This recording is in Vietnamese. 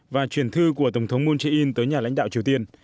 và truyền thư của tổng thống moon jae in tới nhà lãnh đạo triều tiên